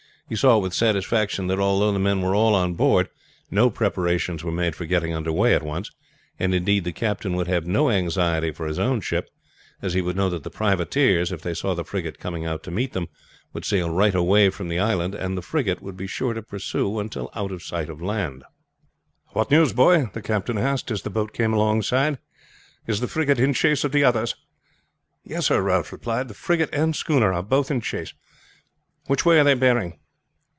He saw with satisfaction that although the men were all on board, no preparations were made for getting under way at once; and, indeed, the captain would have no anxiety for his own ship, as he would know that the privateers, if they saw the frigate coming out to meet them, would sail right away from the island, and the frigate would be sure to pursue until out of sight of land. "What news, boy?" the captain asked as the boat came close alongside. "Is the frigate in chase of the others?" "Yes, sir," Ralph replied; "the frigate and a schooner are both in chase." "Which way are they bearing?"